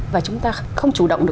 và chúng ta không chủ động được